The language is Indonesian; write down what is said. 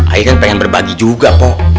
ayah kan pengen berbagi juga po